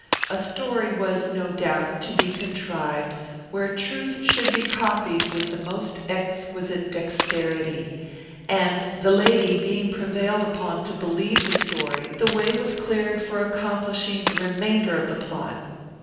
A story was, no doubt, to be contrived, where truth should be copied with the most exquisite dexterity; and, the lady being prevailed upon to believe the story, the way was cleared for accomplishing the remainder of the plot.